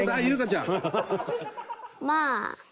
まあ。